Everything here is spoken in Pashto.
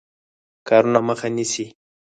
کارونو مخه نیسي.